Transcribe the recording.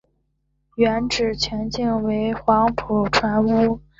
原址全境为黄埔船坞。